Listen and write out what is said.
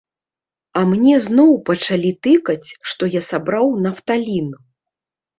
А мне зноў пачалі тыкаць, што я сабраў нафталін!